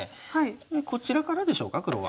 これこちらからでしょうか黒は。